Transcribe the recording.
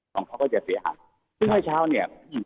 ของเขาก็จะเสียหักซึ่งให้เช้าเนี่ยอืม